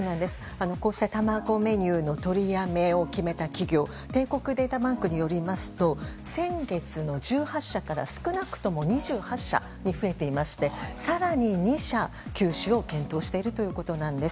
こうした卵メニューの取りやめを決めた企業は帝国データバンクによりますと先月の１８社から少なくとも２８社に増えていましてさらに２社が休止を検討しているということです。